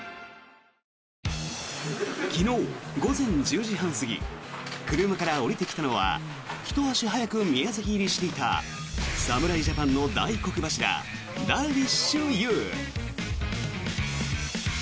昨日午前１０時半過ぎ車から降りてきたのはひと足早く宮崎入りしていた侍ジャパンの大黒柱ダルビッシュ有。